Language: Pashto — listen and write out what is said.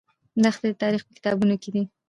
دښتې د تاریخ په کتابونو کې دي.